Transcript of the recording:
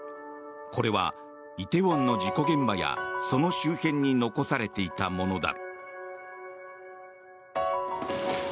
これは梨泰院の事故現場やその周辺に残されていたものだ。